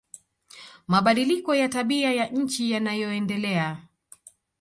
Mabadiliko ya tabia ya nchi yanayoendelea